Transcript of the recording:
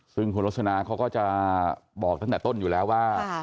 ซึ่งคุณลสนาเขาก็จะบอกตั้งแต่ต้นอยู่แล้วว่า